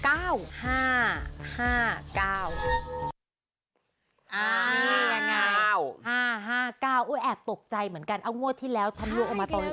อ้าวนี่ยังไง๕๕๙โอ้ยแอบตกใจเหมือนกันเอาว่อที่แล้วทำหลวงออกมาตอนนี้